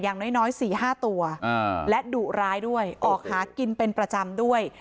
อย่างน้อย๔๕ตัวและดุร้ายด้วยออกหากินเป็นประจำด้วย